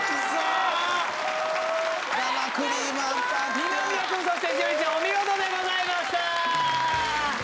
二宮君そして栞里ちゃんお見事でございました！